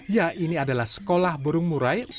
ya ini adalah sekolah burung murai